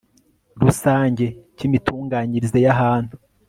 rusange cy imitunganyirize y ahantu